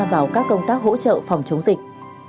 vào các công tác hỗ trợ phòng chống dịch